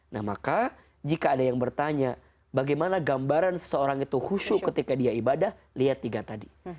nah maka jika ada yang bertanya bagaimana gambaran seseorang itu khusyuk ketika dia ibadah lihat tiga tadi